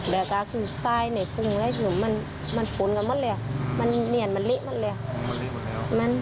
มันก็คือตามใจแหละตอนนี้นู่นแหละ